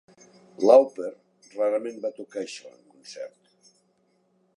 Lauper rarament va tocar això en concert.